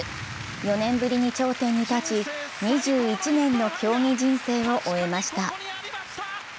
４年ぶりに頂点に立ち、２１年の競技人生を終えました。